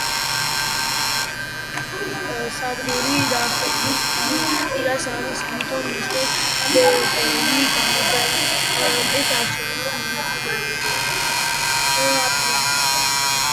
სადგური დახურვის პირას არის, ამიტომ მისტერ ბერნსი გუბერნატორის არჩევნებში მონაწილეობას აპირებს.